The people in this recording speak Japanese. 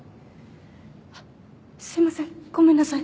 あっすいませんごめんなさい。